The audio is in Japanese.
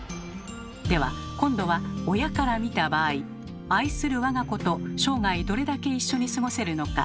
では今度は親から見た場合愛する我が子と生涯どれだけ一緒に過ごせるのか。